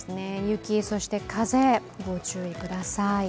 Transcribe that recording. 雪、そして風、ご注意ください。